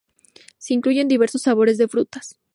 Se incluyen diversos sabores de frutas.